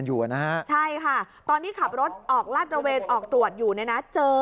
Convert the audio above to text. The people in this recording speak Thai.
ใช่ใช่ค่ะตอนนี้ขับรถออกลาดระเวนออกตรวจอยู่นี่นะ